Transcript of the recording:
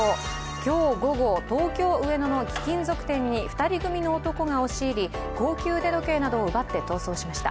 今日午後、東京・上野の貴金属店に２人組の男が押し入り高級腕時計などを奪って逃走しました。